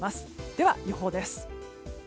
では予報です。